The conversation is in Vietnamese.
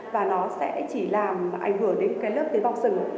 và nó sẽ chỉ làm ảnh hưởng đến lớp tế bào sừng